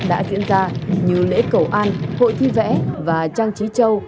đã diễn ra như lễ cầu an hội thi vẽ và trang trí châu